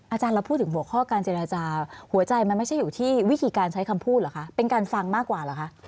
อาจารย์เราพูดถึงหัวข้อการเจรจาหัวใจมันไม่ใช่อยู่ที่วิธีการใช้คำพูดเหรอคะเป็นการฟังมากกว่าเหรอคะ